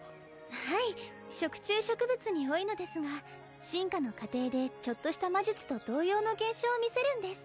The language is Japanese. はい食虫植物に多いのですが進化の過程でちょっとした魔術と同様の現象を見せるんです